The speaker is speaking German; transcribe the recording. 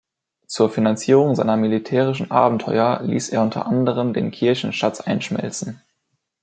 Zur Finanzierung seiner militärischen Abenteuer ließ er unter anderem den Kirchenschatz einschmelzen.